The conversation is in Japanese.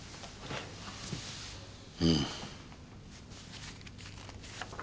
うん。